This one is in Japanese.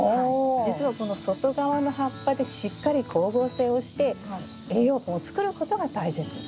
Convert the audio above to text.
実は外側の葉っぱでしっかり光合成をして栄養分を作ることが大切。